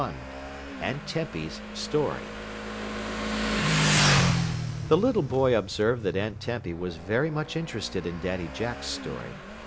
XLI AUNT TEMPY'S STORY The little boy observed that Aunt Tempy was very much interested in Daddy Jack's story.